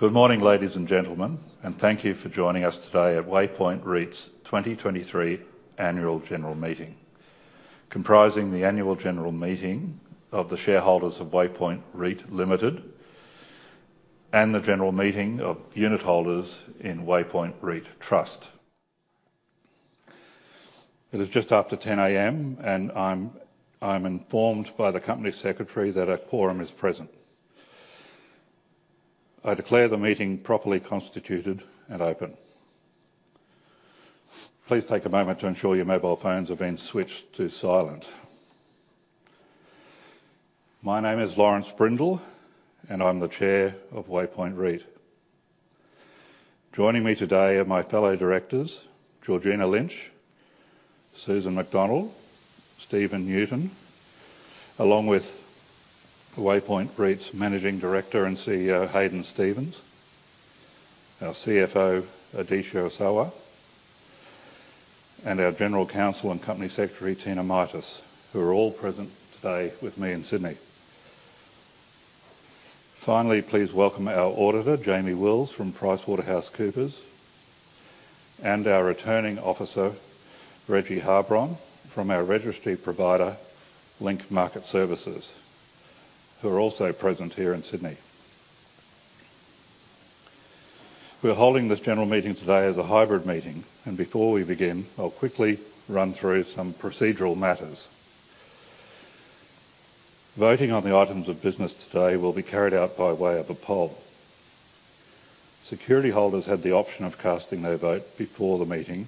Good morning, ladies and gentlemen, thank you for joining us today at Waypoint REIT's 2023 annual general meeting, comprising the annual general meeting of the shareholders of Waypoint REIT Limited and the general meeting of unitholders in Waypoint REIT Trust. It is just after 10:00 A.M., I'm informed by the Company Secretary that a quorum is present. I declare the meeting properly constituted and open. Please take a moment to ensure your mobile phones have been switched to silent. My name is Laurence Brindle, I'm the Chair of Waypoint REIT. Joining me today are my fellow directors, Georgina Lynch, Susan McDonnell, Stephen Newton. Along with the Waypoint REIT's Managing Director and CEO, Hadyn Stephens, our CFO, Adesewa Sowah, our General Counsel and Company Secretary, Tina Mitas, who are all present today with me in Sydney. Please welcome our Auditor, Jamie Wills from PricewaterhouseCoopers, and our Returning Officer, Rejie Harbron from our registry provider, Link Market Services, who are also present here in Sydney. We're holding this general meeting today as a hybrid meeting. Before we begin, I'll quickly run through some procedural matters. Voting on the items of business today will be carried out by way of a poll. Security holders had the option of casting their vote before the meeting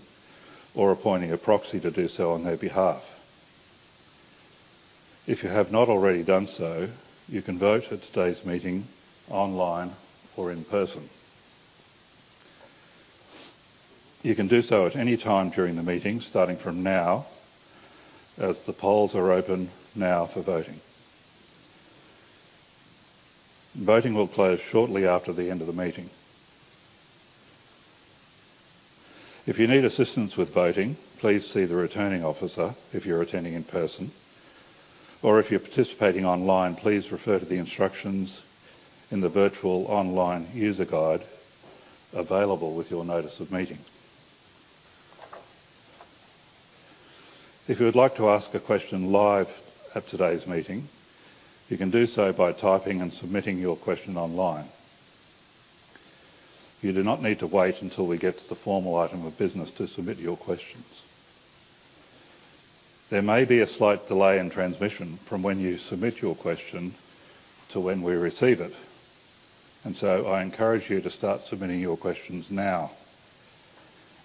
or appointing a proxy to do so on their behalf. If you have not already done so, you can vote at today's meeting online or in person. You can do so at any time during the meeting, starting from now. The polls are open now for voting. Voting will close shortly after the end of the meeting. If you need assistance with voting, please see the Returning Officer if you're attending in person, or if you're participating online, please refer to the instructions in the virtual online user guide available with your notice of meeting. If you would like to ask a question live at today's meeting, you can do so by typing and submitting your question online. You do not need to wait until we get to the formal item of business to submit your questions. There may be a slight delay in transmission from when you submit your question to when we receive it, and so I encourage you to start submitting your questions now,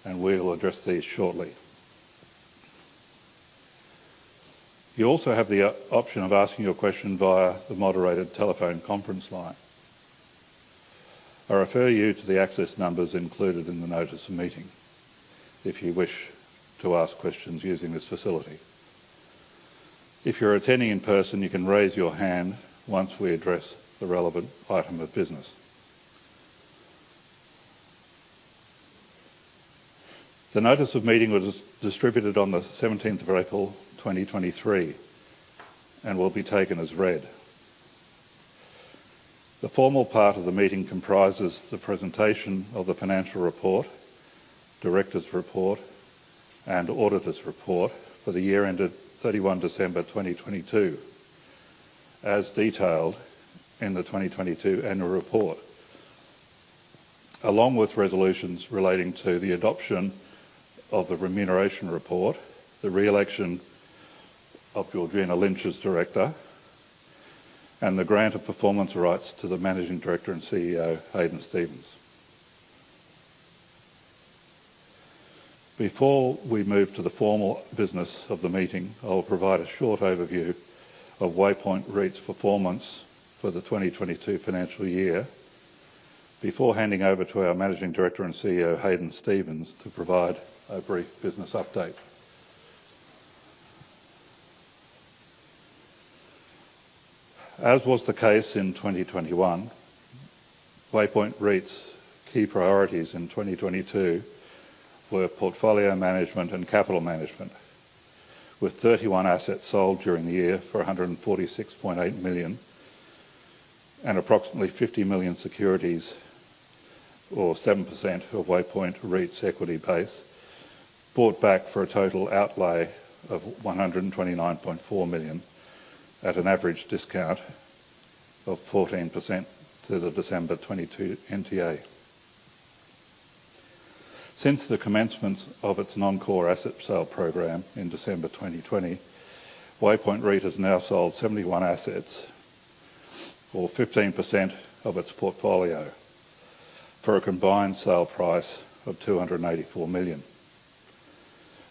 and we will address these shortly. You also have the option of asking your question via the moderated telephone conference line. I refer you to the access numbers included in the notice of meeting if you wish to ask questions using this facility. If you're attending in person, you can raise your hand once we address the relevant item of business. The notice of meeting was distributed on the 17th of April, 2023 and will be taken as read. The formal part of the meeting comprises the presentation of the financial report, directors' report, and auditors' report for the year ended 31 December, 2022, as detailed in the 2022 annual report. Along with resolutions relating to the adoption of the remuneration report, the re-election of Georgina Lynch as Director, and the grant of performance rights to the Managing Director and CEO, Hadyn Stephens. Before we move to the formal business of the meeting, I will provide a short overview of Waypoint REIT's performance for the 2022 financial year before handing over to our Managing Director and CEO, Hadyn Stephens, to provide a brief business update. As was the case in 2021, Waypoint REIT's key priorities in 2022 were portfolio management and capital management, with 31 assets sold during the year for 146.8 million and approximately 50 million securities or 7% of Waypoint REIT's equity base bought back for a total outlay of 129.4 million at an average discount of 14% to the December 2022 NTA. Since the commencement of its non-core asset sale program in December 2020, Waypoint REIT has now sold 71 assets or 15% of its portfolio for a combined sale price of 284 million,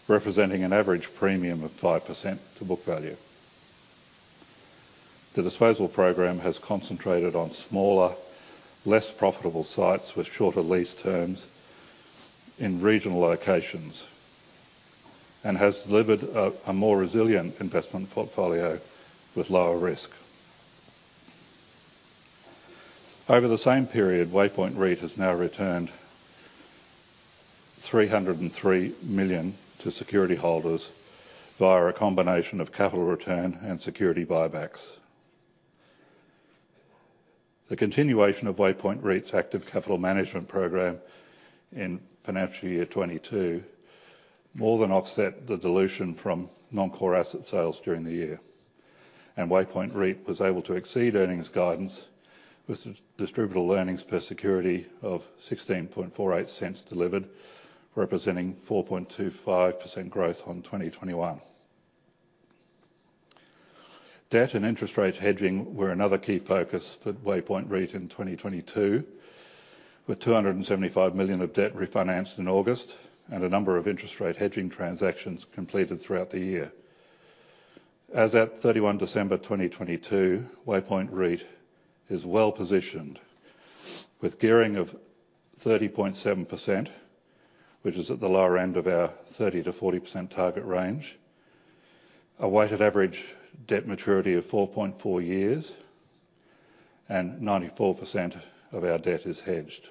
representing an average premium of 5% to book value. The disposal program has concentrated on smaller, less profitable sites with shorter lease terms in regional locations and has delivered a more resilient investment portfolio with lower risk. Over the same period, Waypoint REIT has now returned 303 million to security holders via a combination of capital return and security buybacks. The continuation of Waypoint REIT's active capital management program in financial year 2022 more than offset the dilution from non-core asset sales during the year. Waypoint REIT was able to exceed earnings guidance with distributable earnings per security of 16.48 delivered, representing 4.25% growth on 2021. Data and interest rate hedging were another key focus for Waypoint REIT in 2022, with 275 million of debt refinanced in August and a number of interest rate hedging transactions completed throughout the year. As at December 31, 2022, Waypoint REIT is well-positioned with gearing of 30.7%, which is at the lower end of our 30%-40% target range, a weighted average debt maturity of 4.4 years, and 94% of our debt is hedged.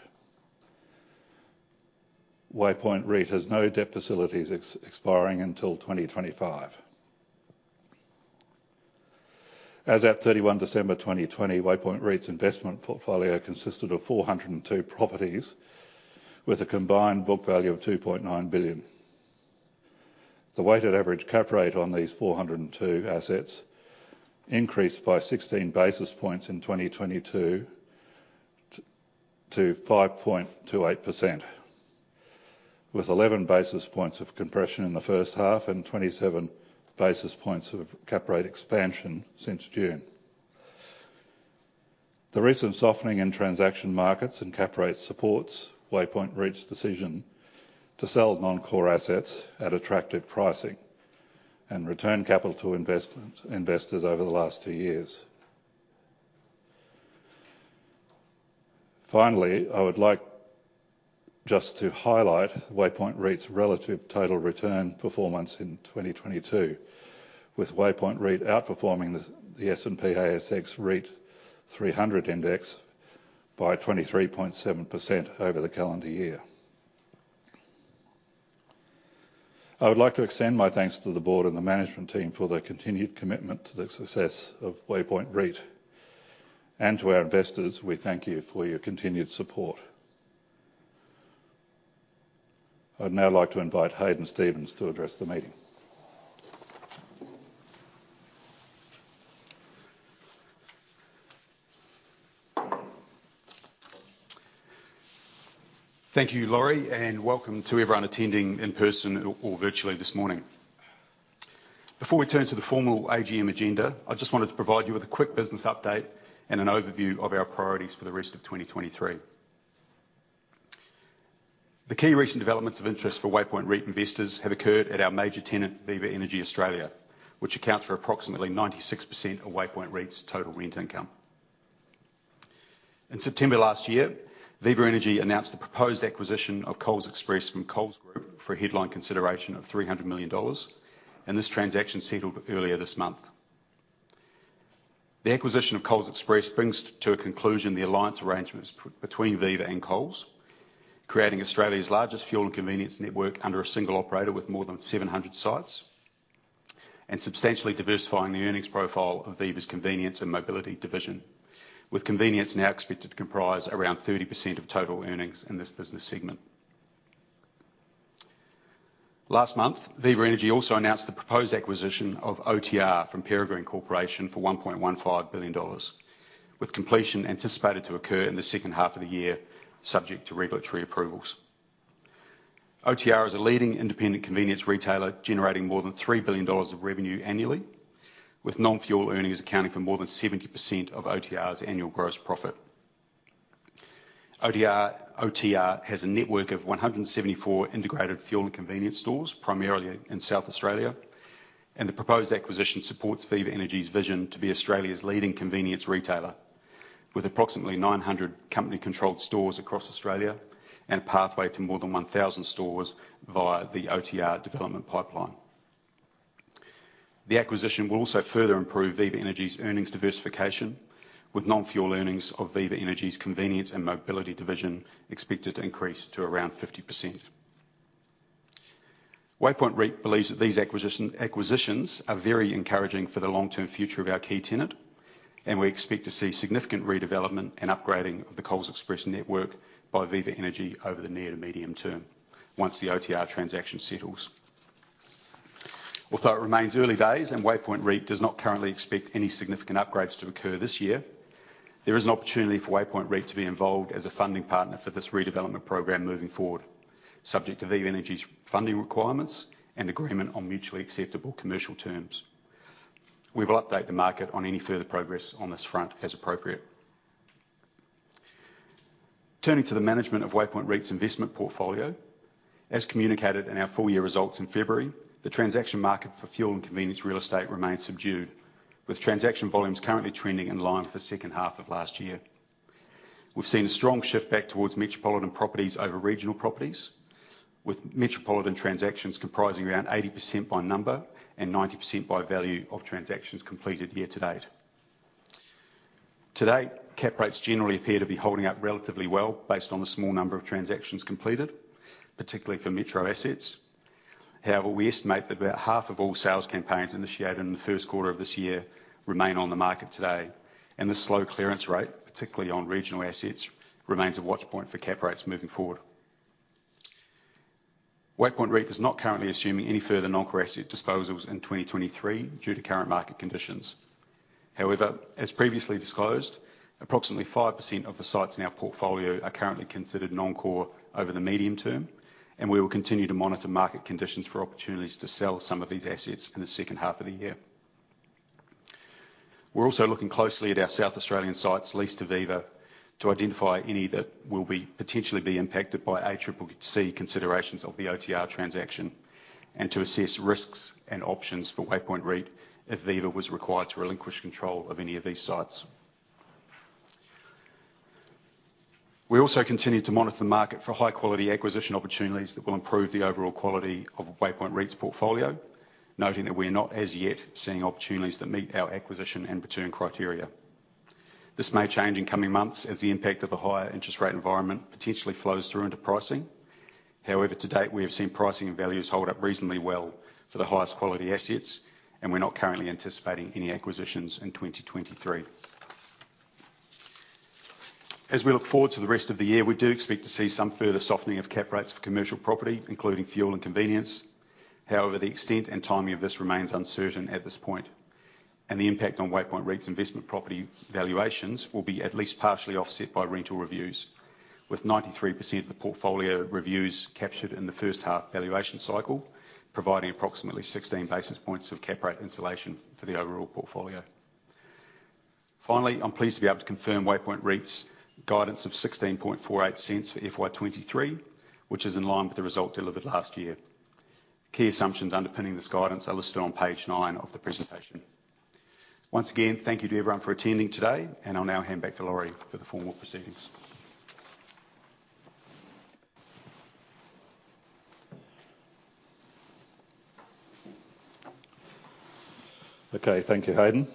Waypoint REIT has no debt facilities expiring until 2025. As at 31 December 2020, Waypoint REIT's investment portfolio consisted of 402 properties with a combined book value of 2.9 billion. The weighted average cap rate on these 402 assets increased by 16 basis points in 2022 to 5.28%, with 11 basis points of compression in the first half and 27 basis points of cap rate expansion since June. The recent softening in transaction markets and cap rate supports Waypoint REIT's decision to sell non-core assets at attractive pricing and return capital to investors over the last two years. Finally, I would like just to highlight Waypoint REIT's relative total return performance in 2022, with Waypoint REIT outperforming the S&P/ASX 300 REIT Index by 23.7% over the calendar year. I would like to extend my thanks to the board and the management team for their continued commitment to the success of Waypoint REIT. To our investors, we thank you for your continued support. I'd now like to invite Hadyn Stephens to address the meeting. Thank you, Laurie, and welcome to everyone attending in person or virtually this morning. Before we turn to the formal AGM agenda, I just wanted to provide you with a quick business update and an overview of our priorities for the rest of 2023. The key recent developments of interest for Waypoint REIT investors have occurred at our major tenant, Viva Energy Australia, which accounts for approximately 96% of Waypoint REIT's total rent income. In September last year, Viva Energy announced the proposed acquisition of Coles Express from Coles Group for a headline consideration of 300 million dollars, and this transaction settled earlier this month. The acquisition of Coles Express brings to a conclusion the alliance arrangements between Viva and Coles, creating Australia's largest fuel and convenience network under a single operator with more than 700 sites, and substantially diversifying the earnings profile of Viva's Convenience and Mobility division, with Convenience now expected to comprise around 30% of total earnings in this business segment. Last month, Viva Energy also announced the proposed acquisition of OTR from Peregrine Corporation for AUD 1.15 billion, with completion anticipated to occur in the second half of the year, subject to regulatory approvals. OTR is a leading independent convenience retailer generating more than 3 billion dollars of revenue annually, with non-fuel earnings accounting for more than 70% of OTR's annual gross profit. OTR has a network of 174 integrated fuel and convenience stores, primarily in South Australia, and the proposed acquisition supports Viva Energy's vision to be Australia's leading convenience retailer with approximately 900 company-controlled stores across Australia and a pathway to more than 1,000 stores via the OTR development pipeline. The acquisition will also further improve Viva Energy's earnings diversification with non-fuel earnings of Viva Energy's Convenience and Mobility division expected to increase to around 50%. Waypoint REIT believes that these acquisitions are very encouraging for the long-term future of our key tenant, and we expect to see significant redevelopment and upgrading of the Coles Express network by Viva Energy over the near to medium term once the OTR transaction settles. It remains early days and Waypoint REIT does not currently expect any significant upgrades to occur this year, there is an opportunity for Waypoint REIT to be involved as a funding partner for this redevelopment program moving forward, subject to Viva Energy's funding requirements and agreement on mutually acceptable commercial terms. We will update the market on any further progress on this front as appropriate. Turning to the management of Waypoint REIT's investment portfolio, as communicated in our full year results in February, the transaction market for fuel and convenience real estate remains subdued, with transaction volumes currently trending in line with the second half of last year. We've seen a strong shift back towards metropolitan properties over regional properties, with metropolitan transactions comprising around 80% by number and 90% by value of transactions completed year to date. Today, cap rates generally appear to be holding up relatively well based on the small number of transactions completed, particularly for Metro assets. We estimate that about half of all sales campaigns initiated in the first quarter of this year remain on the market today, and the slow clearance rate, particularly on regional assets, remains a watch point for cap rates moving forward. Waypoint REIT is not currently assuming any further non-core asset disposals in 2023 due to current market conditions. As previously disclosed, approximately 5% of the sites in our portfolio are currently considered non-core over the medium term, and we will continue to monitor market conditions for opportunities to sell some of these assets in the second half of the year. We're also looking closely at our South Australian sites leased to Viva to identify any that will potentially be impacted by ACCC considerations of the OTR transaction and to assess risks and options for Waypoint REIT if Viva was required to relinquish control of any of these sites. We also continue to monitor the market for high-quality acquisition opportunities that will improve the overall quality of Waypoint REIT's portfolio. Noting that we're not as yet seeing opportunities that meet our acquisition and return criteria. This may change in coming months as the impact of the higher interest rate environment potentially flows through into pricing. However, to date, we have seen pricing and values hold up reasonably well for the highest quality assets, and we're not currently anticipating any acquisitions in 2023. As we look forward to the rest of the year, we do expect to see some further softening of cap rates for commercial property, including fuel and convenience. However, the extent and timing of this remains uncertain at this point, and the impact on Waypoint REIT's investment property valuations will be at least partially offset by rental reviews. With 93% of the portfolio reviews captured in the first half valuation cycle, providing approximately 16 basis points of cap rate insulation for the overall portfolio. Finally, I'm pleased to be able to confirm Waypoint REIT's guidance of 16.48 for FY 2023, which is in line with the result delivered last year. Key assumptions underpinning this guidance are listed on page nine of the presentation. Once again, thank you to everyone for attending today. I'll now hand back to Laurie for the formal proceedings. Thank you, Hadyn.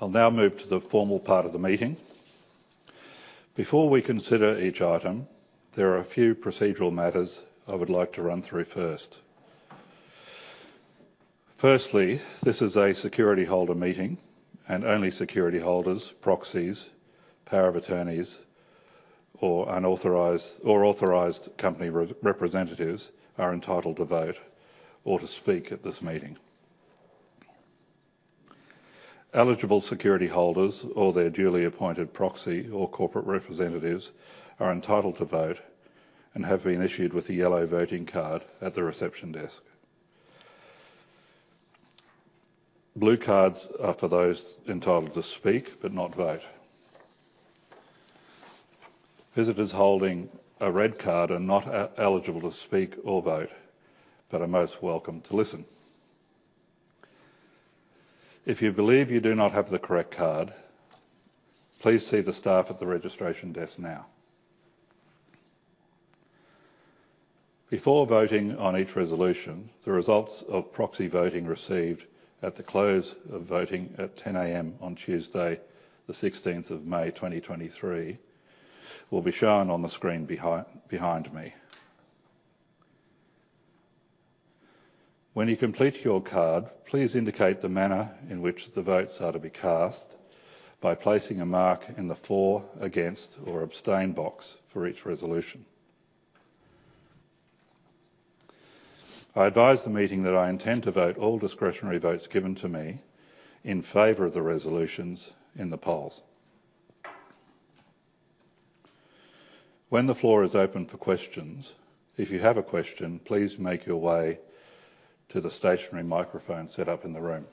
I'll now move to the formal part of the meeting. Before we consider each item, there are a few procedural matters I would like to run through first. This is a security holder meeting, only security holders, proxies, power of attorneys, or unauthorized or authorized company representatives are entitled to vote or to speak at this meeting. Eligible security holders or their duly appointed proxy or corporate representatives are entitled to vote and have been issued with a yellow voting card at the reception desk. Blue cards are for those entitled to speak but not vote. Visitors holding a red card are not eligible to speak or vote, are most welcome to listen. If you believe you do not have the correct card, please see the staff at the registration desk now. Before voting on each resolution, the results of proxy voting received at the close of voting at 10:00 A.M. on Tuesday, the 16th of May, 2023, will be shown on the screen behind me. When you complete your card, please indicate the manner in which the votes are to be cast by placing a mark in the floor against or abstain box for each resolution. I advise the meeting that I intend to vote all discretionary votes given to me in favor of the resolutions in the polls. When the floor is open for questions, if you have a question, please make your way to the stationary microphone set up in the room.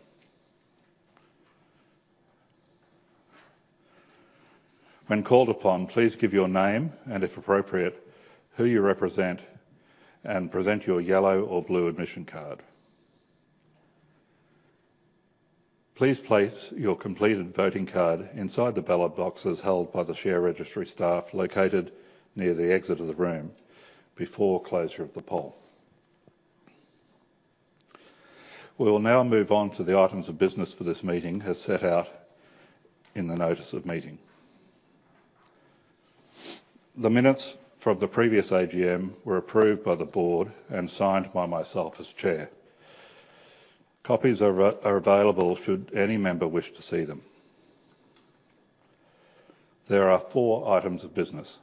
When called upon, please give your name and, if appropriate, who you represent and present your yellow or blue admission card. Please place your completed voting card inside the ballot boxes held by the share registry staff located near the exit of the room before closure of the poll. We will now move on to the items of business for this meeting as set out in the notice of meeting. The minutes from the previous AGM were approved by the board and signed by myself as chair. Copies are available should any member wish to see them. There are four items of business.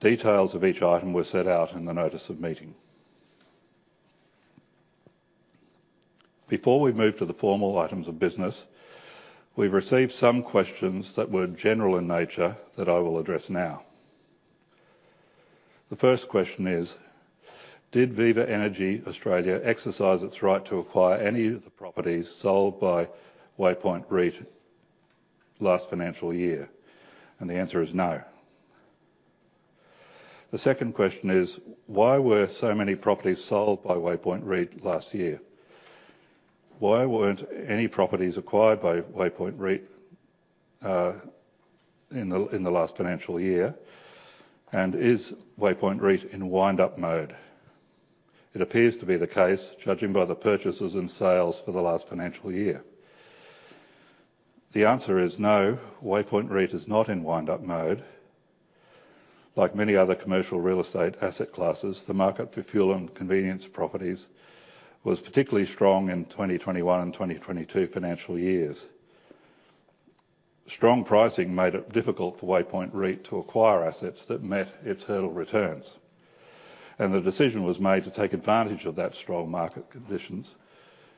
Details of each item were set out in the notice of meeting. Before we move to the formal items of business, we've received some questions that were general in nature that I will address now. The 1st question is: Did Viva Energy Australia exercise its right to acquire any of the properties sold by Waypoint REIT last financial year? The answer is no. The second question is: Why were so many properties sold by Waypoint REIT last year? Why weren't any properties acquired by Waypoint REIT in the last financial year, and is Waypoint REIT in wind-up mode? It appears to be the case, judging by the purchases and sales for the last financial year. The answer is no, Waypoint REIT is not in wind-up mode. Like many other commercial real estate asset classes, the market for fuel and convenience properties was particularly strong in 2021 and 2022 financial years. Strong pricing made it difficult for Waypoint REIT to acquire assets that met its hurdle returns, and the decision was made to take advantage of that strong market conditions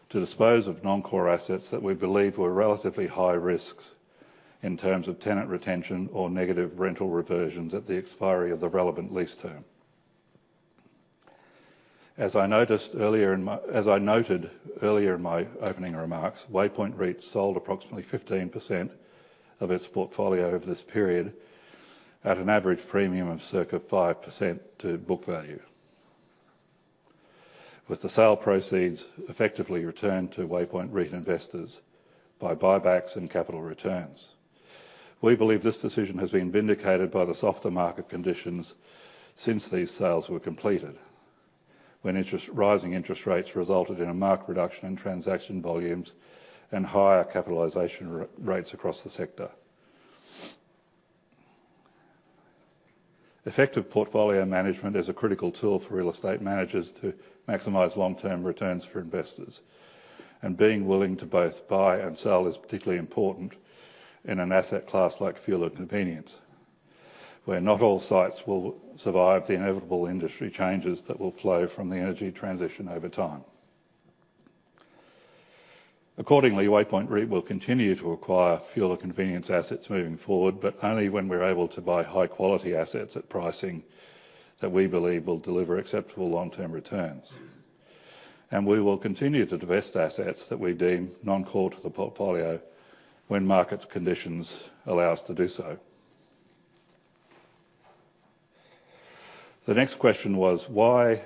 to dispose of non-core assets that we believe were relatively high risks in terms of tenant retention or negative rental reversions at the expiry of the relevant lease term. As I noted earlier in my opening remarks, Waypoint REIT sold approximately 15% of its portfolio over this period at an average premium of circa 5% to book value. With the sale proceeds effectively returned to Waypoint REIT investors by buybacks and capital returns. We believe this decision has been vindicated by the softer market conditions since these sales were completed, when rising interest rates resulted in a marked reduction in transaction volumes and higher capitalization rates across the sector. Effective portfolio management is a critical tool for real estate managers to maximize long-term returns for investors, and being willing to both buy and sell is particularly important in an asset class like fuel and convenience, where not all sites will survive the inevitable industry changes that will flow from the energy transition over time. Accordingly, Waypoint REIT will continue to acquire fuel and convenience assets moving forward, but only when we're able to buy high-quality assets at pricing that we believe will deliver acceptable long-term returns. We will continue to divest assets that we deem non-core to the portfolio when market conditions allow us to do so. The next question was: Why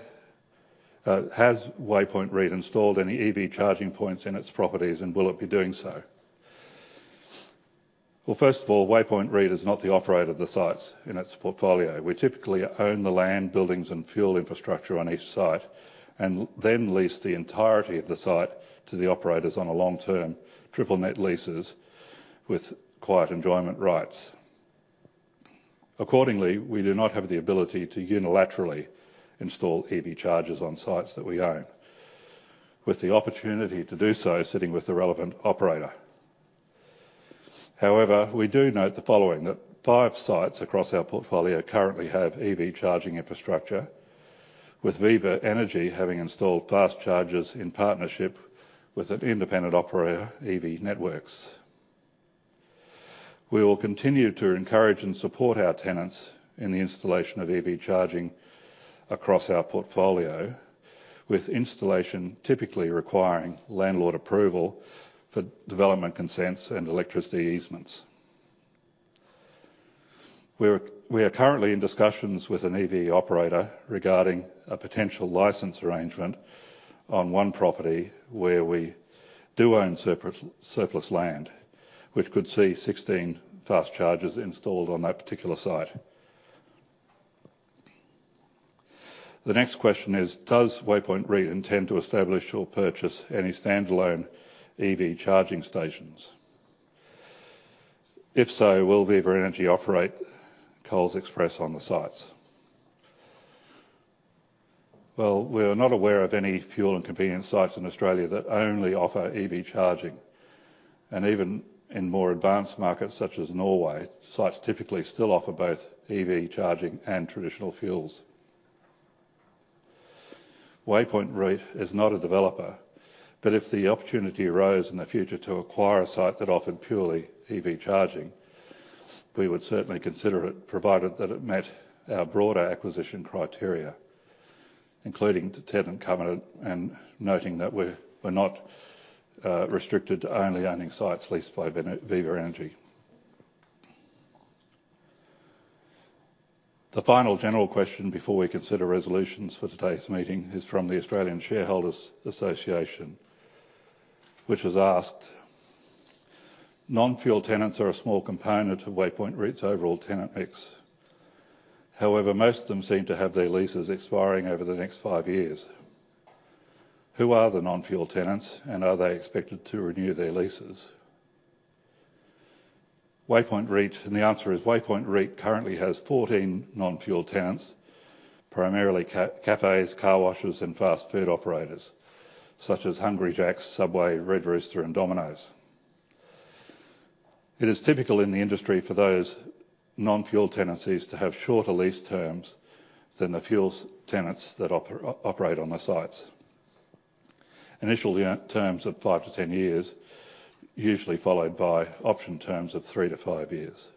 has Waypoint REIT installed any EV charging points in its properties, and will it be doing so? First of all, Waypoint REIT is not the operator of the sites in its portfolio. We typically own the land, buildings, and fuel infrastructure on each site and then lease the entirety of the site to the operators on a long-term triple net leases with quiet enjoyment rights. Accordingly, we do not have the ability to unilaterally install EV chargers on sites that we own. With the opportunity to do so sitting with the relevant operator. However, we do note the following, that five sites across our portfolio currently have EV charging infrastructure, with Viva Energy having installed fast chargers in partnership with an independent operator, Evie Networks. We will continue to encourage and support our tenants in the installation of EV charging across our portfolio, with installation typically requiring landlord approval for development consents and electricity easements. We are currently in discussions with an EV operator regarding a potential license arrangement on one property where we do own surplus land, which could see 16 fast chargers installed on that particular site. The next question is: Does Waypoint REIT intend to establish or purchase any standalone EV charging stations? If so, will Viva Energy operate Coles Express on the sites? Well, we're not aware of any fuel and convenience sites in Australia that only offer EV charging, and even in more advanced markets such as Norway, sites typically still offer both EV charging and traditional fuels. Waypoint REIT is not a developer, if the opportunity arose in the future to acquire a site that offered purely EV charging, we would certainly consider it, provided that it met our broader acquisition criteria, including the tenant covenant and noting that we're not restricted to only owning sites leased by Viva Energy. The final general question before we consider resolutions for today's meeting is from the Australian Shareholders' Association, which has asked: Non-fuel tenants are a small component of Waypoint REIT's overall tenant mix. Most of them seem to have their leases expiring over the next five years. Who are the non-fuel tenants, and are they expected to renew their leases? Waypoint REIT. The answer is Waypoint REIT currently has 14 non-fuel tenants, primarily cafes, car washes, and fast food operators, such as Hungry Jack's, Subway, Red Rooster, and Domino's. It is typical in the industry for those non-fuel tenancies to have shorter lease terms than the fuel tenants that operate on the sites. Initial terms of five to 10 years, usually followed by option terms of three to five years.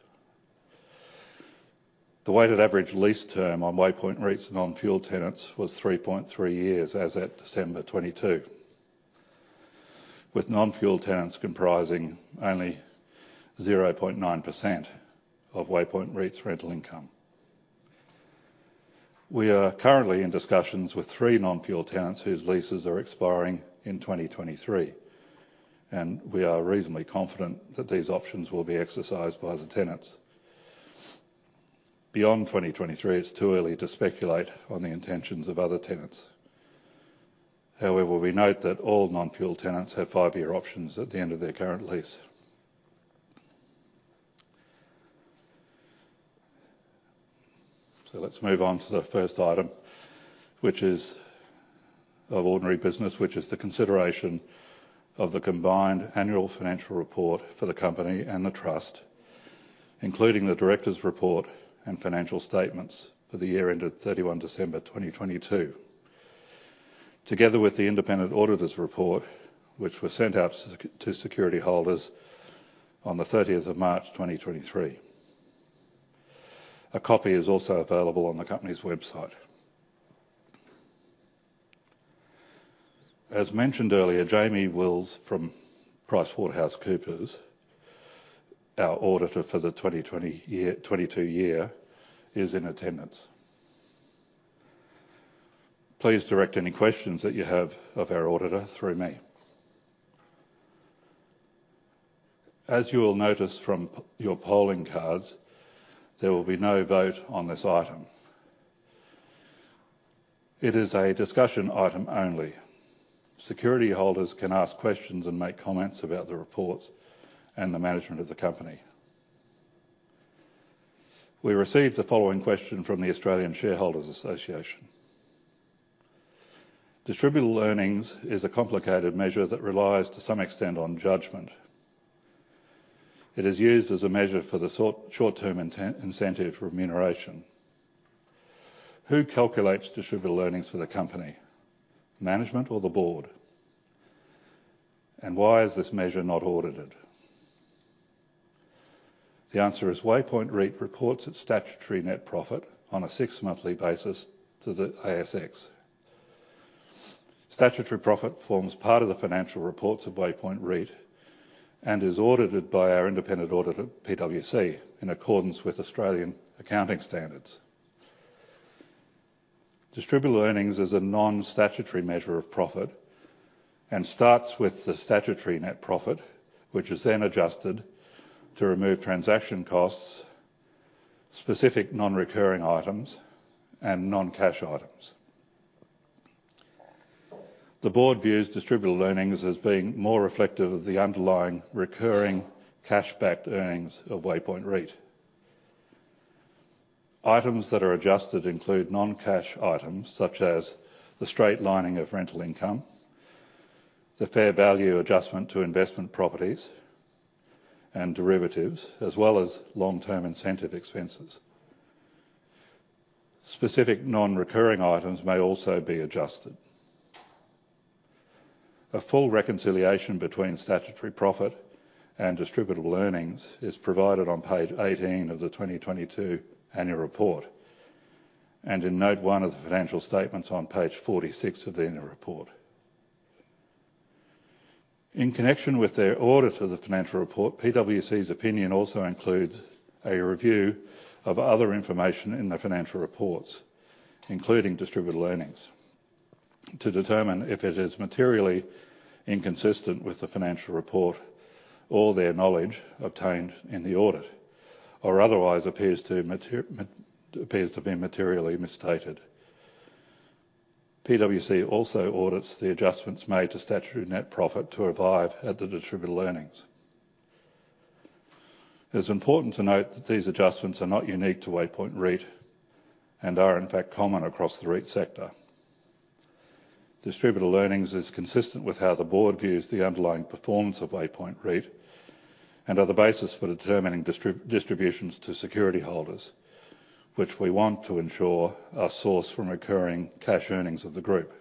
The weighted average lease term on Waypoint REIT's non-fuel tenants was 3.3 years as at December 2022, with non-fuel tenants comprising only 0.9% of Waypoint REIT's rental income. We are currently in discussions with three non-fuel tenants whose leases are expiring in 2023, and we are reasonably confident that these options will be exercised by the tenants. Beyond 2023, it's too early to speculate on the intentions of other tenants. However, we note that all non-fuel tenants have five-year options at the end of their current lease. Let's move on to the first item, which is of ordinary business, which is the consideration of the combined annual financial report for the company and the trust, including the director's report and financial statements for the year ended 31 December 2022, together with the independent auditor's report, which was sent out to security holders on the 30th of March 2023. A copy is also available on the company's website. As mentioned earlier, Jamie Wills from PricewaterhouseCoopers, our auditor for the 2022 year, is in attendance. Please direct any questions that you have of our auditor through me. As you will notice from your polling cards, there will be no vote on this item. It is a discussion item only. Security holders can ask questions and make comments about the reports and the management of the company. We received the following question from the Australian Shareholders' Association: Distributable earnings is a complicated measure that relies to some extent on judgment. It is used as a measure for the short-term incentive remuneration. Who calculates distributable earnings for the company, management or the board? Why is this measure not audited? The answer is Waypoint REIT reports its statutory net profit on a six-monthly basis to the ASX. Statutory profit forms part of the financial reports of Waypoint REIT and is audited by our independent auditor, PwC, in accordance with Australian accounting standards. Distributable earnings is a non-statutory measure of profit, starts with the statutory net profit, which is adjusted to remove transaction costs, specific non-recurring items, and non-cash items. The board views distributable earnings as being more reflective of the underlying recurring cash-backed earnings of Waypoint REIT. Items that are adjusted include non-cash items, such as the straight lining of rental income, the fair value adjustment to investment properties and derivatives, as well as long-term incentive expenses. Specific non-recurring items may also be adjusted. A full reconciliation between statutory profit and distributable earnings is provided on page 18 of the 2022 annual report, in note one of the financial statements on page 46 of the annual report. In connection with their audit of the financial report, PwC's opinion also includes a review of other information in the financial reports, including distributable earnings, to determine if it is materially inconsistent with the financial report or their knowledge obtained in the audit, or otherwise appears to be materially misstated. PwC also audits the adjustments made to statutory net profit to arrive at the distributable earnings. It's important to note that these adjustments are not unique to Waypoint REIT, and are in fact common across the REIT sector. Distributable earnings is consistent with how the board views the underlying performance of Waypoint REIT and are the basis for determining distributions to security holders, which we want to ensure are sourced from recurring cash earnings of the group.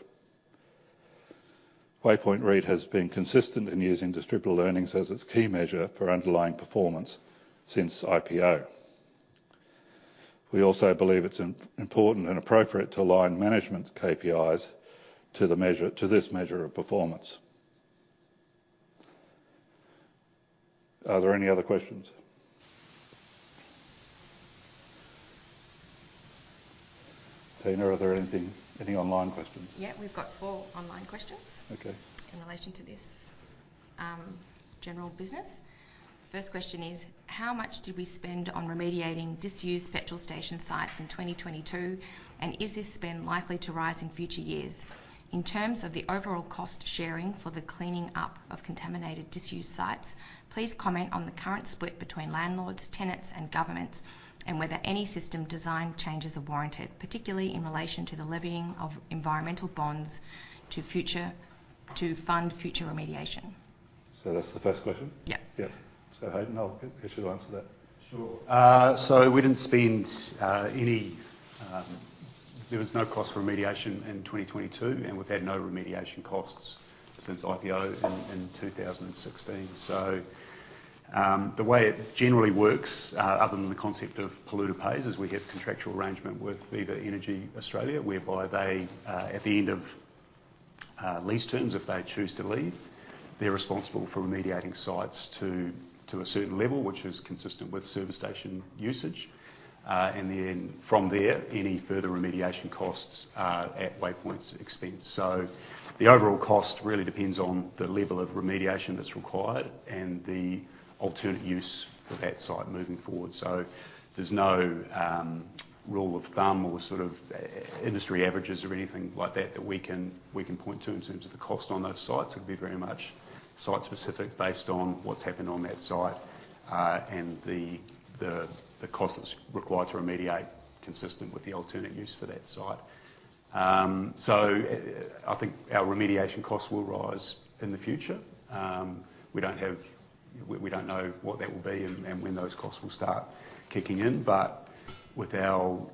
Waypoint REIT has been consistent in using distributable earnings as its key measure for underlying performance since IPO. We also believe it's important and appropriate to align management's KPIs to this measure of performance. Are there any other questions? Tina, are there any online questions? Yeah, we've got four online questions. Okay In relation to this general business. First question is: How much did we spend on remediating disused petrol station sites in 2022, and is this spend likely to rise in future years? In terms of the overall cost sharing for the cleaning up of contaminated disused sites, please comment on the current split between landlords, tenants, and governments, and whether any system design changes are warranted, particularly in relation to the levying of environmental bonds to fund future remediation. That's the first question? Yeah. Yeah. Hadyn, I'll get you to answer that. Sure. We didn't spend any. There was no cost for remediation in 2022, and we've had no remediation costs since IPO in 2016. The way it generally works, other than the concept of polluter pays, is we get contractual arrangement with Viva Energy Australia whereby they, at the end of lease terms if they choose to leave. They're responsible for remediating sites to a certain level which is consistent with service station usage. From there, any further remediation costs are at Waypoint's expense. The overall cost really depends on the level of remediation that's required and the alternate use of that site moving forward. There's no rule of thumb or sort of industry averages or anything like that we can point to in terms of the cost on those sites. It'd be very much site-specific based on what's happened on that site, and the cost that's required to remediate consistent with the alternate use for that site. I think our remediation costs will rise in the future. We don't know what that will be and when those costs will start kicking in. With our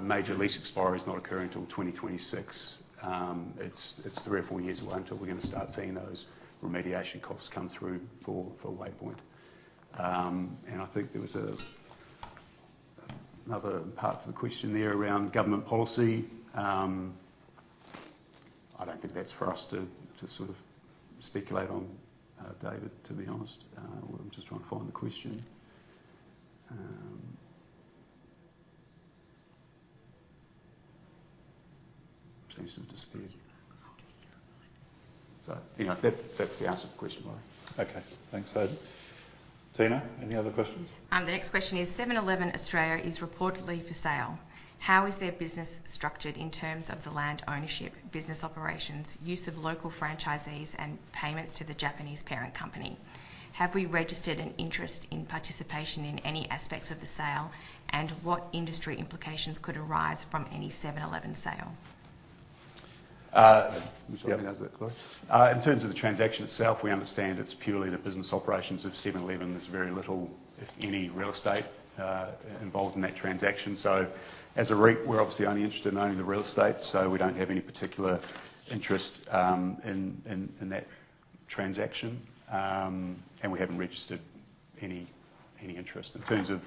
major lease expiries not occurring till 2026, it's three or four years away until we're gonna start seeing those remediation costs come through for Waypoint. I think there was another part to the question there around government policy. I don't think that's for us to sort of speculate on, David, to be honest. I'm just trying to find the question. Seems to have disappeared. You know, that's the answer to the question, Laurie. Okay. Thanks, Hadyn. Tina, any other questions? The next question is: 7-Eleven Australia is reportedly for sale. How is their business structured in terms of the land ownership, business operations, use of local franchisees, and payments to the Japanese parent company? Have we registered an interest in participation in any aspects of the sale, and what industry implications could arise from any 7-Eleven sale? Uh- Do you want me to answer that, Hadyn? In terms of the transaction itself, we understand it's purely the business operations of 7-Eleven. There's very little, if any, real estate involved in that transaction. As a REIT, we're obviously only interested in owning the real estate, so we don't have any particular interest in that transaction. We haven't registered any interest. In terms of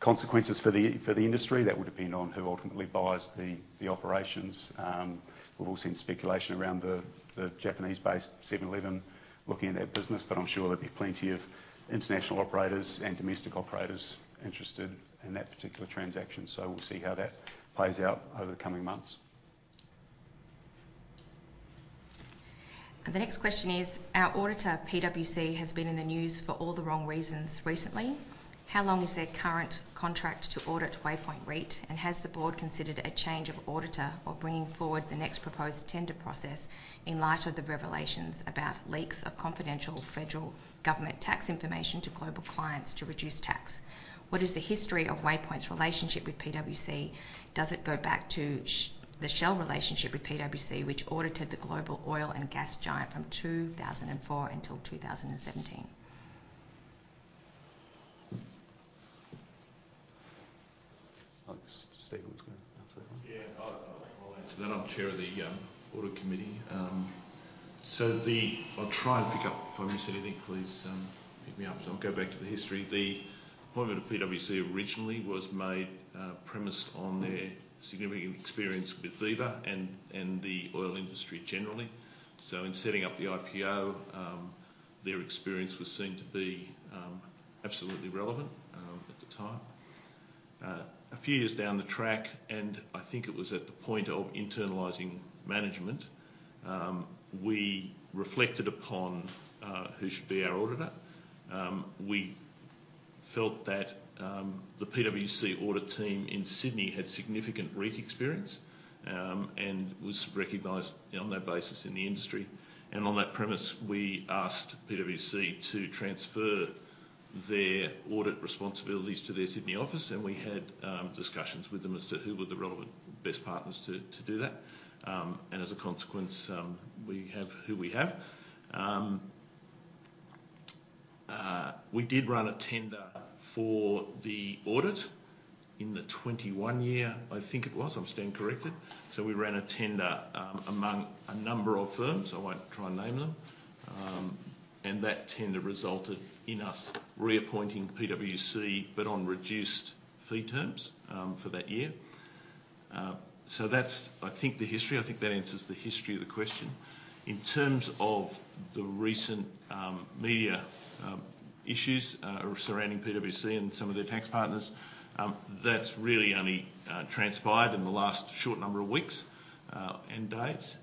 consequences for the industry, that would depend on who ultimately buys the operations. We've all seen speculation around the Japanese-based 7-Eleven looking at that business, but I'm sure there'll be plenty of international operators and domestic operators interested in that particular transaction, so we'll see how that plays out over the coming months. The next question is: Our auditor, PwC, has been in the news for all the wrong reasons recently. How long is their current contract to audit Waypoint REIT, and has the board considered a change of auditor or bringing forward the next proposed tender process in light of the revelations about leaks of confidential federal government tax information to global clients to reduce tax? What is the history of Waypoint's relationship with PwC? Does it go back to the Shell relationship with PwC, which audited the global oil and gas giant from 2004 until 2017? Steve was gonna answer that one. Yeah. I'll answer that. I'm chair of the audit committee. I'll try and pick up. If I miss anything, please hit me up. I'll go back to the history. The appointment of PwC originally was made premised on their significant experience with Viva and the oil industry generally. In setting up the IPO, their experience was seen to be absolutely relevant at the time. A few years down the track, and I think it was at the point of internalizing management, we reflected upon who should be our auditor. We felt that the PwC audit team in Sydney had significant REIT experience and was recognized on that basis in the industry. On that premise, we asked PwC to transfer their audit responsibilities to their Sydney office, and we had, discussions with them as to who were the relevant best partners to do that. As a consequence, we have who we have. We did run a tender for the audit in the 21 year, I think it was. I'm stand corrected. We ran a tender, among a number of firms. I won't try and name them. That tender resulted in us reappointing PwC but on reduced fee terms, for that year. That's I think the history. I think that answers the history of the question. In terms of the recent media issues surrounding PwC and some of their tax partners, that's really only transpired in the last short number of weeks and dates.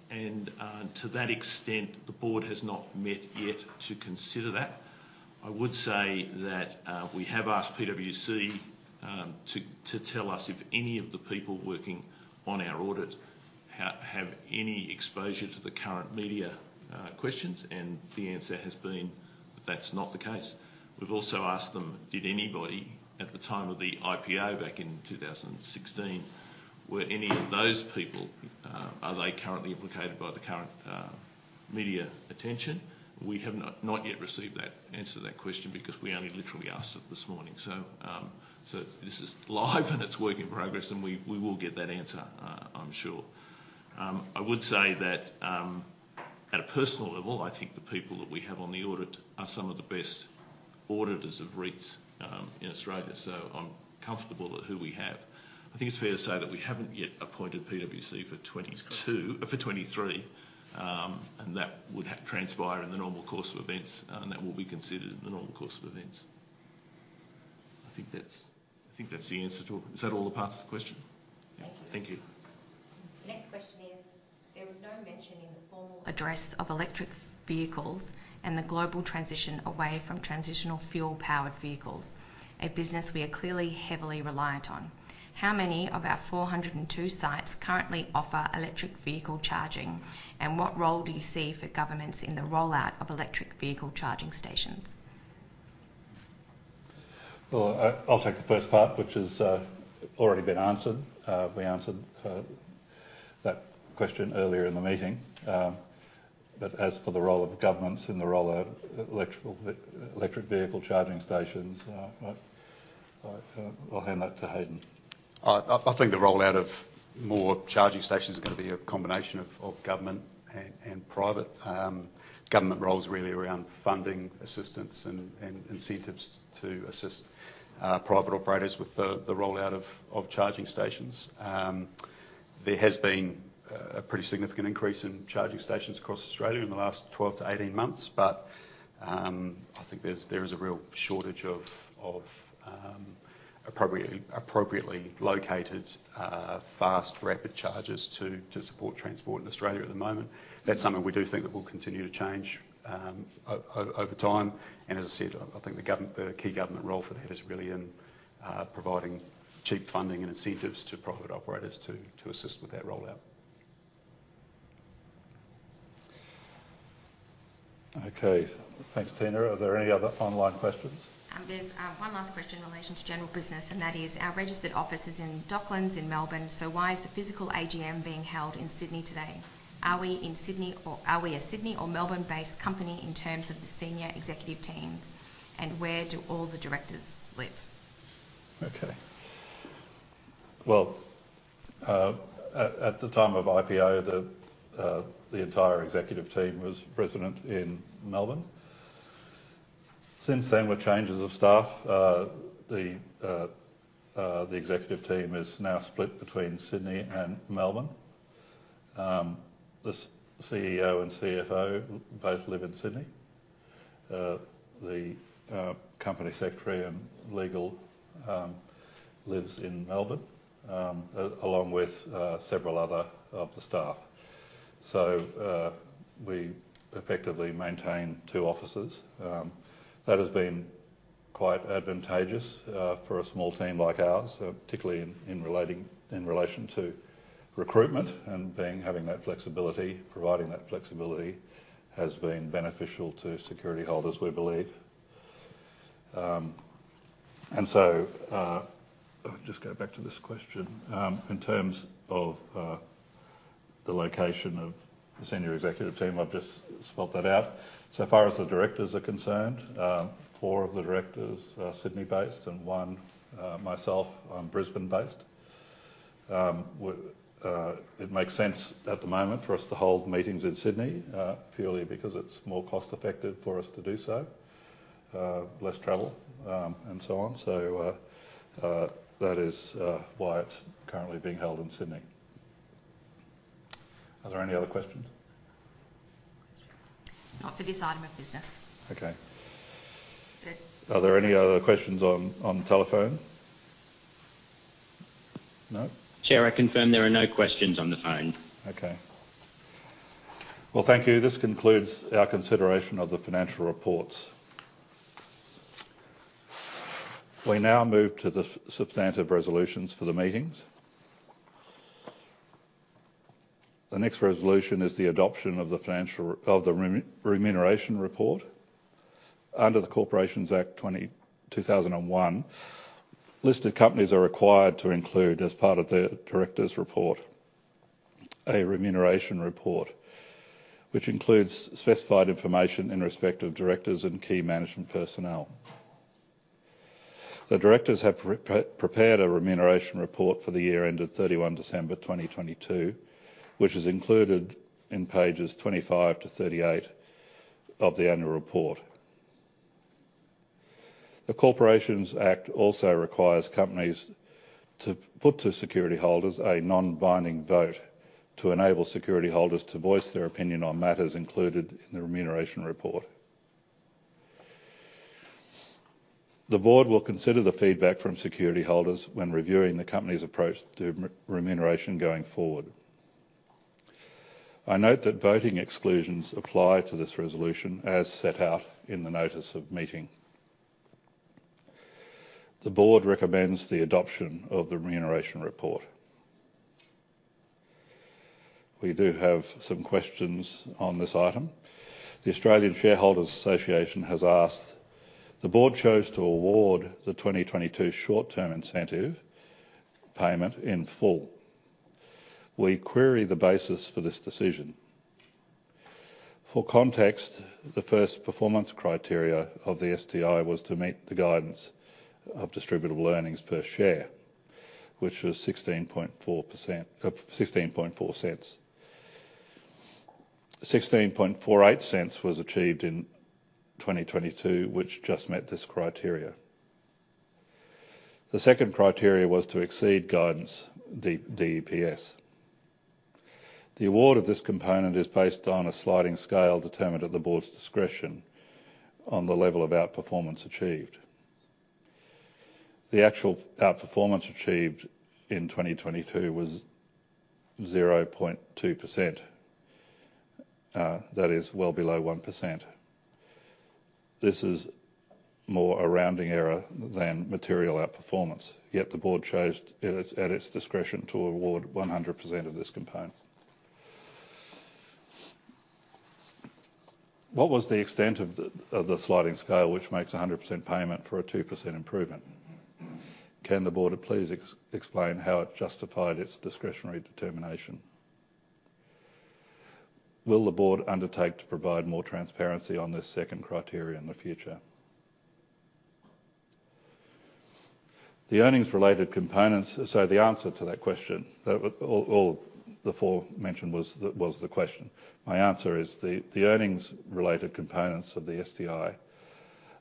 To that extent, the board has not met yet to consider that. I would say that we have asked PwC to tell us if any of the people working on our audit have any exposure to the current media questions, and the answer has been that that's not the case. We've also asked them, did anybody at the time of the IPO back in 2016, were any of those people, are they currently implicated by the current media attention? We have not yet received that answer to that question because we only literally asked it this morning. This is live and it's work in progress, and we will get that answer, I'm sure. I would say that, at a personal level, I think the people that we have on the audit are some of the best auditors of REITs, in Australia. I'm comfortable with who we have. I think it's fair to say that we haven't yet appointed PwC. That's correct. For 2023. That would transpire in the normal course of events, and that will be considered in the normal course of events. I think that's the answer to all. Is that all the parts to the question? Yeah. Thank you. The next question is: There was no mention in the formal address of electric vehicles and the global transition away from transitional fuel-powered vehicles, a business we are clearly heavily reliant on. How many of our 402 sites currently offer electric vehicle charging? What role do you see for governments in the rollout of electric vehicle charging stations? I'll take the first part, which has already been answered. We answered that question earlier in the meeting. As for the role of governments in the rollout of electric vehicle charging stations, I'll hand that to Hadyn. I think the rollout of more charging stations is going to be a combination of government and private. Government role is really around funding assistance and incentives to assist private operators with the rollout of charging stations. There has been a pretty significant increase in charging stations across Australia in the last 12-18 months, but I think there is a real shortage of appropriately located fast rapid chargers to support transport in Australia at the moment. That's something we do think that will continue to change over time. As I said, I think the key government role for that is really in providing cheap funding and incentives to private operators to assist with that rollout. Okay. Thanks, Tina. Are there any other online questions? There's one last question in relation to general business. Our registered office is in Docklands in Melbourne. Why is the physical AGM being held in Sydney today? Are we in Sydney or are we a Sydney or Melbourne-based company in terms of the senior executive teams? Where do all the directors live? Okay. Well, at the time of IPO, the entire executive team was resident in Melbourne. Since then, with changes of staff, the executive team is now split between Sydney and Melbourne. The CEO and CFO both live in Sydney. The company secretary and legal lives in Melbourne, along with several other of the staff. We effectively maintain two offices. That has been quite advantageous for a small team like ours, particularly in relation to recruitment and providing that flexibility has been beneficial to security holders, we believe. I'll just go back to this question. In terms of the location of the senior executive team, I've just spelled that out. Far as the directors are concerned, four of the directors are Sydney-based, and one, myself, I'm Brisbane-based. It makes sense at the moment for us to hold meetings in Sydney, purely because it's more cost-effective for us to do so. Less travel, and so on. That is why it's currently being held in Sydney. Are there any other questions? Not for this item of business. Okay. That- Are there any other questions on the telephone? No? Chair, I confirm there are no questions on the phone. Okay. Well, thank you. This concludes our consideration of the financial reports. We now move to the substantive resolutions for the meetings. The next resolution is the adoption of the financial of the remuneration report. Under the Corporations Act 2001, listed companies are required to include, as part of their director's report, a remuneration report, which includes specified information in respect of directors and key management personnel. The directors have prepared a remuneration report for the year ended 31 December 2022, which is included in pages 25-38 of the annual report. The Corporations Act also requires companies to put to security holders a non-binding vote to enable security holders to voice their opinion on matters included in the remuneration report. The board will consider the feedback from security holders when reviewing the company's approach to remuneration going forward. I note that voting exclusions apply to this resolution as set out in the notice of meeting. The board recommends the adoption of the remuneration report. We do have some questions on this item. The Australian Shareholders' Association has asked, "The board chose to award the 2022 short-term incentive payment in full. We query the basis for this decision." For context, the first performance criteria of the STI was to meet the guidance of distributable earnings per share, which was 16.4, 16.48 was achieved in 2022, which just met this criteria. The second criteria was to exceed guidance DEPS. The award of this component is based on a sliding scale determined at the board's discretion on the level of outperformance achieved. The actual outperformance achieved in 2022 was 0.2%. That is well below 1%. This is more a rounding error than material outperformance, yet the board chose at its discretion to award 100% of this component. What was the extent of the sliding scale which makes a 100% payment for a 2% improvement? Can the board please explain how it justified its discretionary determination? Will the board undertake to provide more transparency on this second criteria in the future? The answer to that question, all the forementioned was the question. My answer is the earnings-related components of the SDI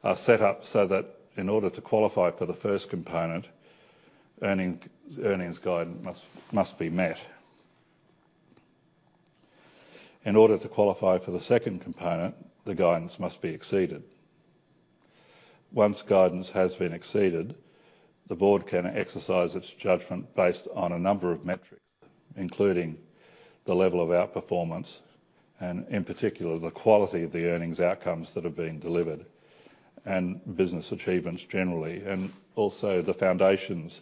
are set up so that in order to qualify for the first component, earnings guidance must be met. In order to qualify for the second component, the guidance must be exceeded. Once guidance has been exceeded, the board can exercise its judgment based on a number of metrics, including the level of outperformance, and in particular, the quality of the earnings outcomes that are being delivered and business achievements generally, and also the foundations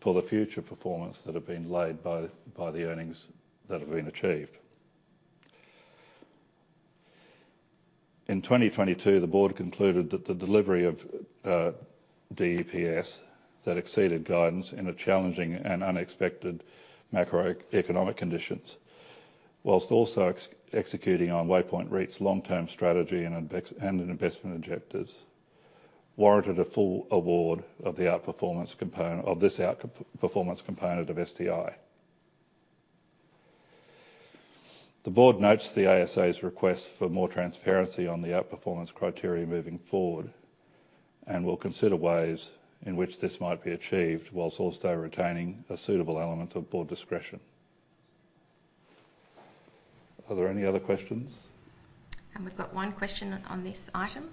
for the future performance that have been laid by the earnings that have been achieved. In 2022, the board concluded that the delivery of DEPS that exceeded guidance in a challenging and unexpected macroeconomic conditions, whilst also executing on Waypoint REIT's long-term strategy and investment objectives, warranted a full award of the outperformance component, of this outcome performance component of STI. The board notes the ASA's request for more transparency on the outperformance criteria moving forward and will consider ways in which this might be achieved whilst also retaining a suitable element of board discretion. Are there any other questions? We've got one question on this item.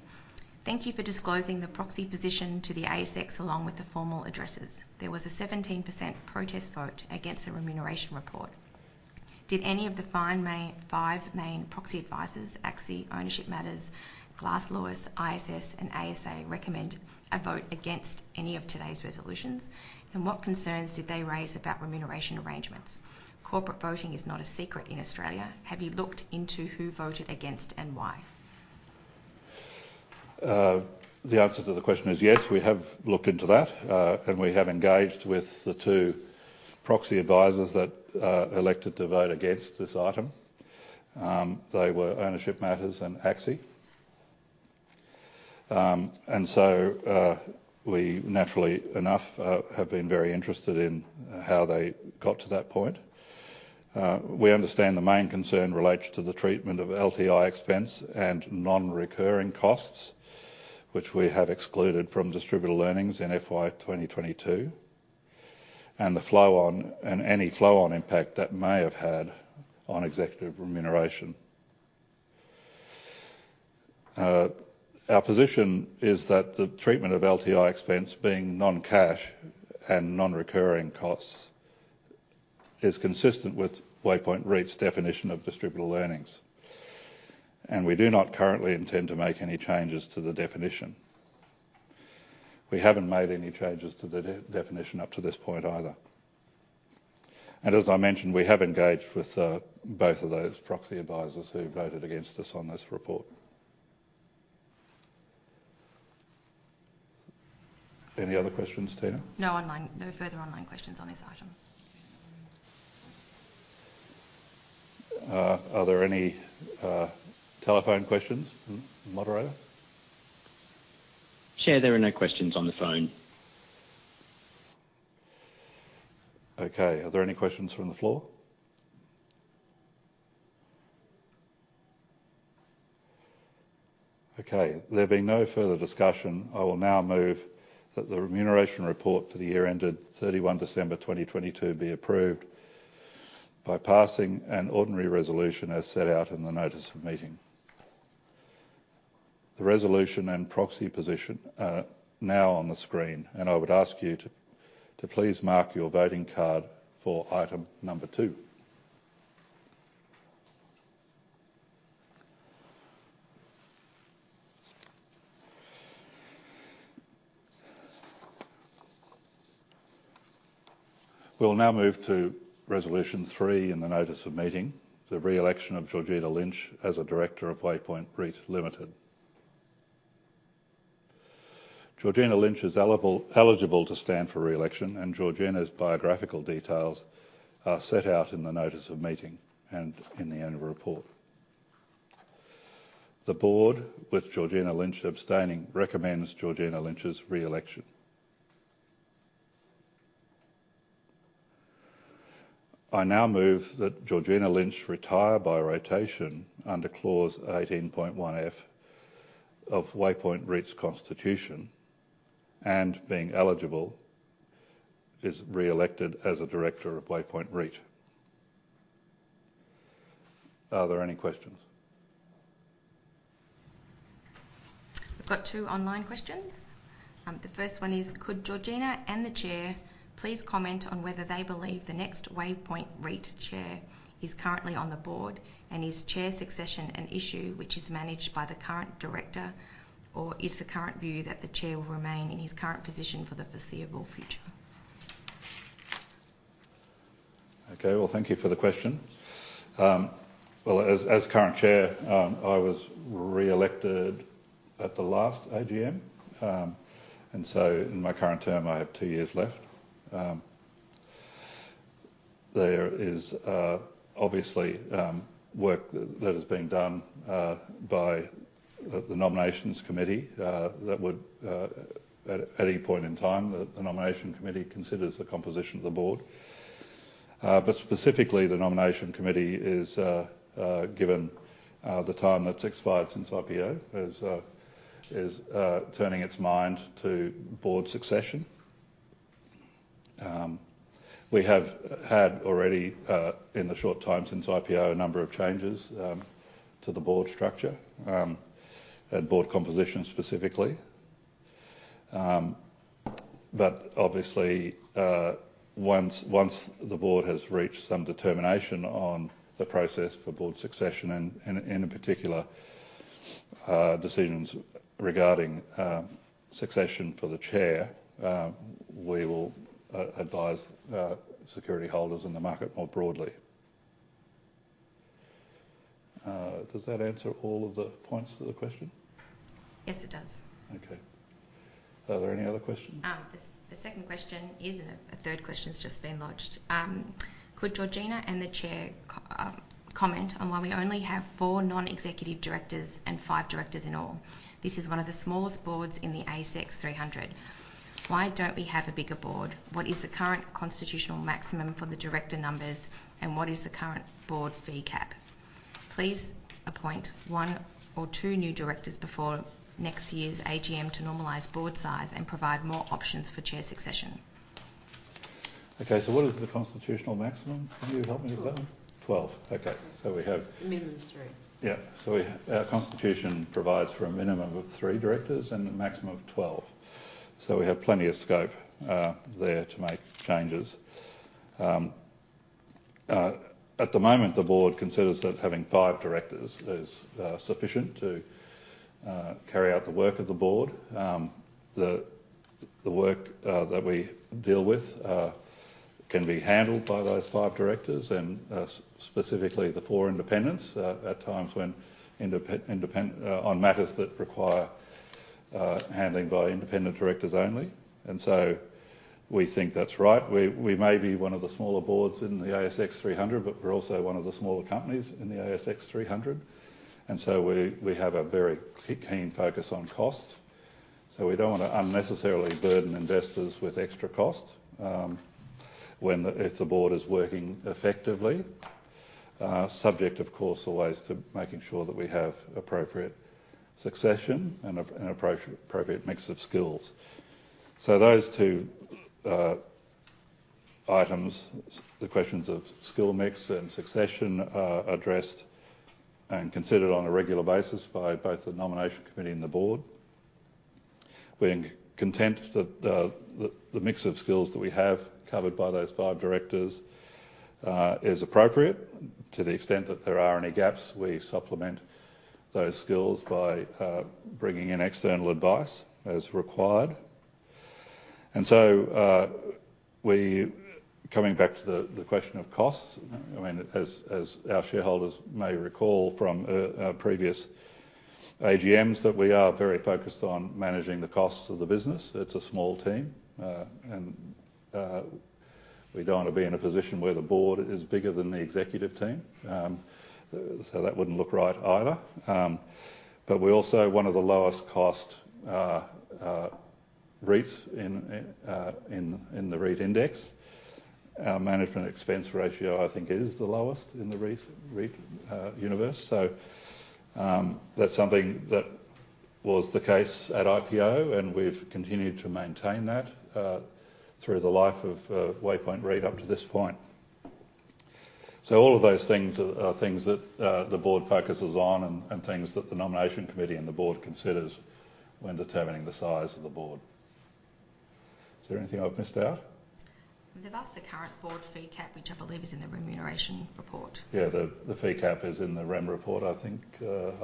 Thank you for disclosing the proxy position to the ASX along with the formal addresses. There was a 17% protest vote against the remuneration report. Did any of the five main proxy advisors, ACSI, Ownership Matters, Glass Lewis, ISS, and ASA, recommend a vote against any of today's resolutions? What concerns did they raise about remuneration arrangements? Corporate voting is not a secret in Australia. Have you looked into who voted against and why? The answer to the question is yes, we have looked into that. We have engaged with the two proxy advisors that elected to vote against this item. They were Ownership Matters and ACSI. We naturally enough have been very interested in how they got to that point. We understand the main concern relates to the treatment of LTI expense and non-recurring costs, which we have excluded from distributable earnings in FY 2022, and any flow on impact that may have had on executive remuneration. Our position is that the treatment of LTI expense being non-cash and non-recurring costs is consistent with Waypoint REIT's definition of distributable earnings, we do not currently intend to make any changes to the definition. We haven't made any changes to the definition up to this point either. As I mentioned, we have engaged with both of those proxy advisors who voted against us on this report. Any other questions, Tina? No further online questions on this item. Are there any, telephone questions moderator? Chair, there are no questions on the phone. Okay. Are there any questions from the floor? There being no further discussion, I will now move that the remuneration report for the year ended 31 December 2022 be approved by passing an ordinary resolution as set out in the notice of meeting. The resolution and proxy position are now on the screen, I would ask you to please mark your voting card for item number two. We'll now move to resolution three in the notice of meeting, the re-election of Georgina Lynch as a director of Waypoint REIT Limited. Georgina Lynch is eligible to stand for re-election, Georgina's biographical details are set out in the notice of meeting and in the annual report. The board, with Georgina Lynch abstaining, recommends Georgina Lynch's re-election. I now move that Georgina Lynch retire by rotation under Clause 18.1 F of Waypoint REIT's constitution, being eligible, is re-elected as a director of Waypoint REIT. Are there any questions? We've got two online questions. The first one is: Could Georgina and the Chair please comment on whether they believe the next Waypoint REIT Chair is currently on the board, and is Chair succession an issue which is managed by the current Director, or is the current view that the Chair will remain in his current position for the foreseeable future? Okay, well, thank you for the question. Well, as current chair, I was re-elected at the last AGM. In my current term, I have two years left. There is, obviously, work that is being done by the nominations committee that would, at any point in time, the nomination committee considers the composition of the board. Specifically, the nomination committee is given the time that's expired since IPO, is turning its mind to board succession. We have had already, in the short time since IPO, a number of changes to the board structure, and board composition specifically. Obviously, once the board has reached some determination on the process for board succession and in particular, decisions regarding succession for the chair, we will advise security holders in the market more broadly. Does that answer all of the points to the question? Yes, it does. Okay. Are there any other questions? The second question is, and a third question's just been lodged. Could Georgina and the Chair comment on why we only have four non-executive Directors and five Directors in all? This is one of the smallest boards in the ASX 300. Why don't we have a bigger board? What is the current constitutional maximum for the Director numbers, and what is the current board fee cap? Please appoint one or two new Directors before next year's AGM to normalize board size and provide more options for Chair succession. Okay, what is the constitutional maximum? Can you help me with that one? Twelve. 12. Okay. Minimum is three. Our constitution provides for a minimum of three directors and a maximum of 12. We have plenty of scope there to make changes. At the moment, the board considers that having five directors is sufficient to carry out the work of the board. The work that we deal with can be handled by those five directors and specifically the four independents at times when independent on matters that require handling by independent directors only. We think that's right. We may be one of the smaller boards in the ASX 300, we're also one of the smaller companies in the ASX 300, we have a very keen focus on cost. We don't want to unnecessarily burden investors with extra cost, if the board is working effectively. Subject, of course, always to making sure that we have appropriate succession and appropriate mix of skills. Those two items, the questions of skill mix and succession are addressed and considered on a regular basis by both the Nomination Committee and the board. We're in content that the mix of skills that we have covered by those five directors is appropriate. To the extent that there are any gaps, we supplement those skills by bringing in external advice as required. Coming back to the question of costs, I mean, as our shareholders may recall from our previous AGMs, that we are very focused on managing the costs of the business. It's a small team, and we don't wanna be in a position where the board is bigger than the executive team. That wouldn't look right either. We're also one of the lowest cost REITs in the REIT index. Our management expense ratio, I think, is the lowest in the REIT universe. That's something that was the case at IPO, and we've continued to maintain that through the life of Waypoint REIT up to this point. All of those things are things that the board focuses on and things that the nomination committee and the board considers when determining the size of the board. Is there anything I've missed out? They've asked the current board fee cap, which I believe is in the remuneration report. Yeah, the fee cap is in the rem report, I think.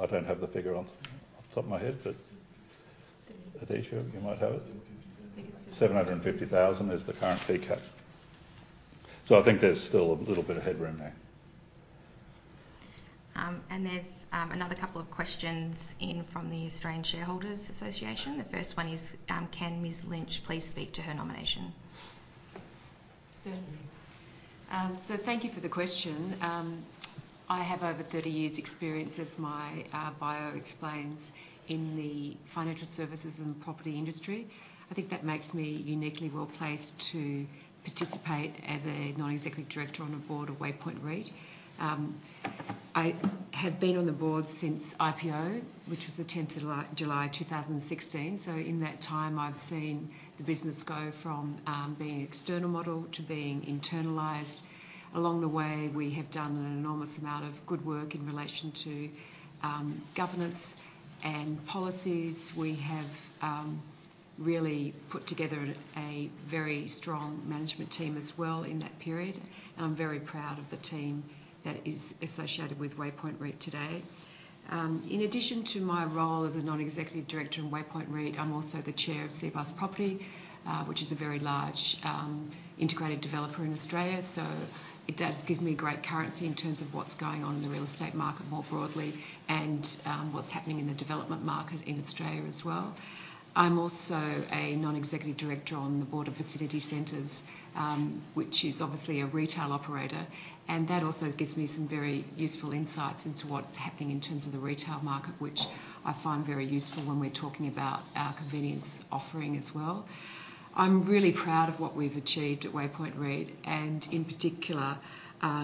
I don't have the figure on the top of my head. Seventy- Aditya, you might have it. 750. 750,000 is the current fee cap. I think there's still a little bit of headroom there. There's another couple of questions in from the Australian Shareholders' Association. The first one is: Can Ms. Lynch please speak to her nomination? Certainly. Thank you for the question. I have over 30 years experience, as my bio explains, in the financial services and property industry. I think that makes me uniquely well-placed to participate as a non-executive director on the board of Waypoint REIT. I have been on the board since IPO, which was the 10th of July 2016. In that time, I've seen the business go from being an external model to being internalized. Along the way, we have done an enormous amount of good work in relation to governance and policies. We have really put together a very strong management team as well in that period, and I'm very proud of the team that is associated with Waypoint REIT today. In addition to my role as a non-executive director in Waypoint REIT, I'm also the chair of Cbus Property, which is a very large, integrated developer in Australia. It does give me great currency in terms of what's going on in the real estate market more broadly and what's happening in the development market in Australia as well. I'm also a non-executive director on the board of Vicinity Centres, which is obviously a retail operator, and that also gives me some very useful insights into what's happening in terms of the retail market, which I find very useful when we're talking about our convenience offering as well. I'm really proud of what we've achieved at Waypoint REIT, and in particular,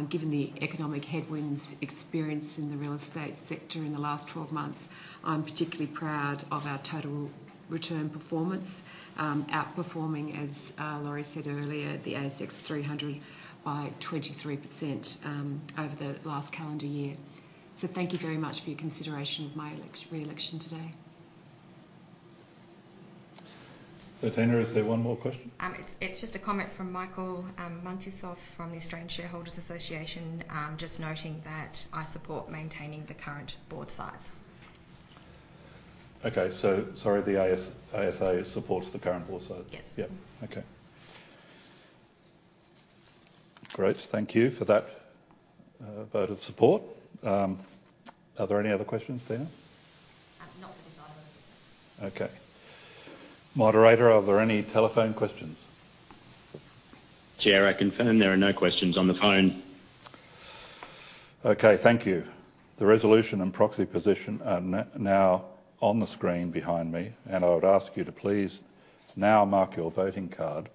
given the economic headwinds experienced in the real estate sector in the last 12 months, I'm particularly proud of our total return performance, outperforming, as Laurie said earlier, the ASX 300 by 23% over the last calendar year. Thank you very much for your consideration of my re-election today. Tina, is there one more question? It's just a comment from Michael Monsour from the Australian Shareholders' Association, just noting that, "I support maintaining the current board size." Okay. sorry, the ASA supports the current board size. Yes. Okay. Great. Thank you for that, vote of support. Are there any other questions, Tina? Not that I'm aware of. Okay. Moderator, are there any telephone questions? Chair, I confirm there are no questions on the phone. Okay, thank you. The resolution and proxy position are now on the screen behind me. I would ask you to please now mark your voting card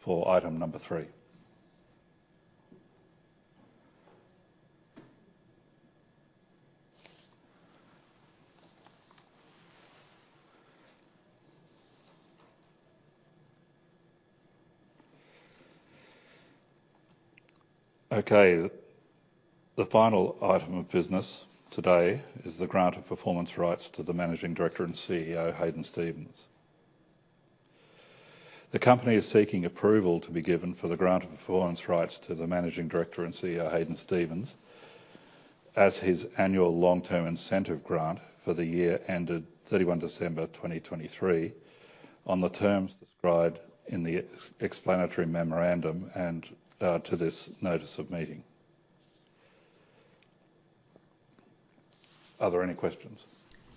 for item number three. Okay. The final item of business today is the grant of performance rights to the Managing Director and CEO, Hadyn Stephens. The company is seeking approval to be given for the grant of performance rights to the Managing Director and CEO, Hadyn Stephens, as his annual long-term incentive grant for the year ended 31 December 2023, on the terms described in the explanatory memorandum and to this notice of meeting. Are there any questions?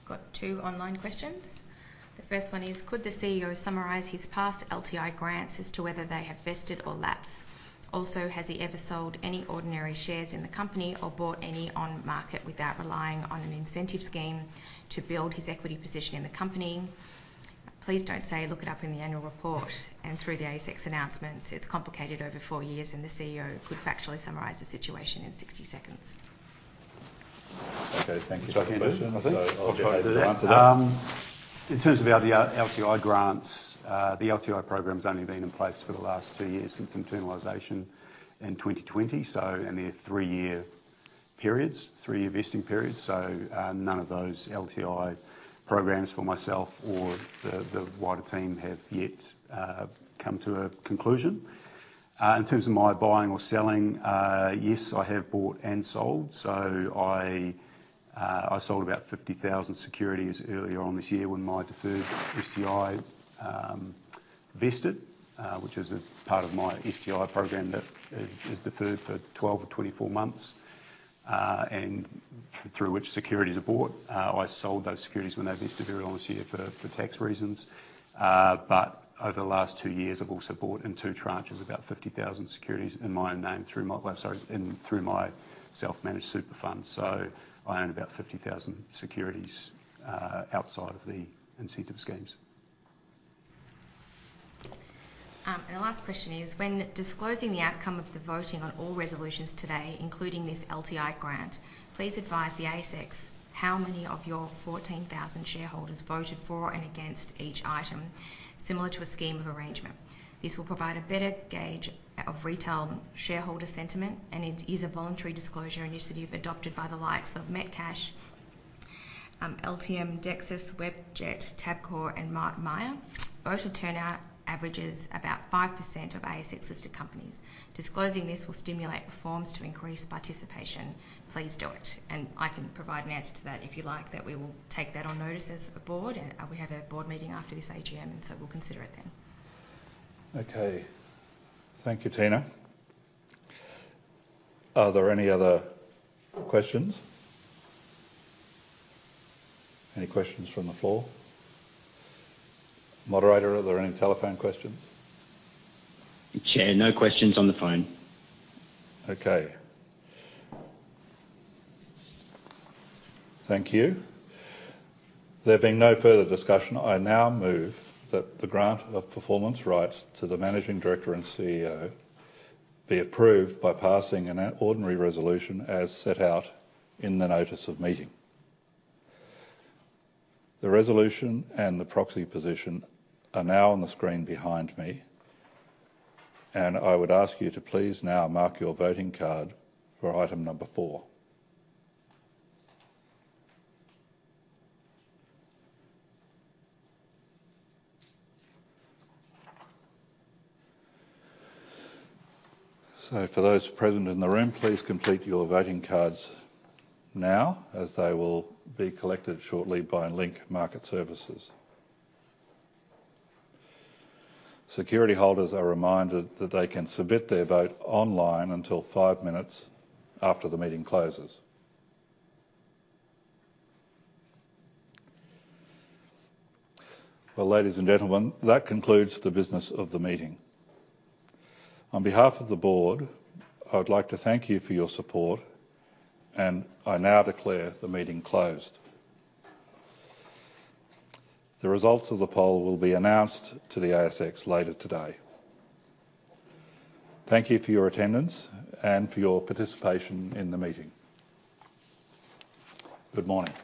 Got two online questions. The first one is: "Could the CEO summarize his past LTI grants as to whether they have vested or lapsed? Also, has he ever sold any ordinary shares in the company or bought any on market without relying on an incentive scheme to build his equity position in the company? Please don't say, 'Look it up in the annual report' and through the ASX announcements. It's complicated over four years, and the CEO could factually summarize the situation in 60 seconds." Okay. Thank you for that question. Is that for me? I'll try to answer that. In terms of the LTI grants, the LTI program's only been in place for the last two years since internalization in 2020. They're three-year periods, three-year vesting periods, none of those LTI programs for myself or the wider team have yet come to a conclusion. In terms of my buying or selling, yes, I have bought and sold. I sold about 50,000 securities earlier on this year when my deferred STI vested, which is a part of my STI program that is deferred for 12 or 24 months, and through which securities are bought. I sold those securities when they vested earlier on this year for tax reasons. Over the last two years, I've also bought in two tranches about 50,000 securities in my own name, through my self-managed super fund. I own about 50,000 securities outside of the incentive schemes. The last question is, "When disclosing the outcome of the voting on all resolutions today, including this LTI grant, please advise the ASX how many of your 14,000 shareholders voted for and against each item, similar to a scheme of arrangement. This will provide a better gauge of retail shareholder sentiment, it is a voluntary disclosure initiative adopted by the likes of Metcash, Altium, Dexus, Webjet, Tabcorp, and Myer. Voter turnout averages about 5% of ASX-listed companies. Disclosing this will stimulate reforms to increase participation. Please do it." I can provide an answer to that if you like. That we will take that on notice as a board, we have a board meeting after this AGM, we'll consider it then. Okay. Thank you, Tina. Are there any other questions? Any questions from the floor? Moderator, are there any telephone questions? Chair, no questions on the phone. Okay. Thank you. There being no further discussion, I now move that the grant of performance rights to the Managing Director and CEO be approved by passing an ordinary resolution as set out in the notice of meeting. The resolution and the proxy position are now on the screen behind me, and I would ask you to please now mark your voting card for item number four. For those present in the room, please complete your voting cards now, as they will be collected shortly by Link Market Services. Security holders are reminded that they can submit their vote online until five minutes after the meeting closes. Well, ladies and gentlemen, that concludes the business of the meeting. On behalf of the board, I would like to thank you for your support, and I now declare the meeting closed. The results of the poll will be announced to the ASX later today. Thank you for your attendance and for your participation in the meeting. Good morning.